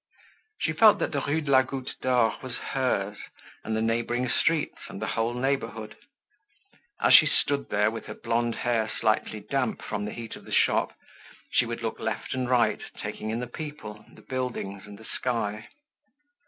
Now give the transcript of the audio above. She felt that the Rue de la Goutte d'Or was hers, and the neighboring streets, and the whole neighborhood. As she stood there, with her blonde hair slightly damp from the heat of the shop, she would look left and right, taking in the people, the buildings, and the sky.